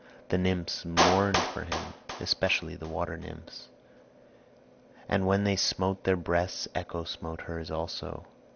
The nymphs mourned for him, especially the water nymphs; and when they smote their breasts Echo smote hers also.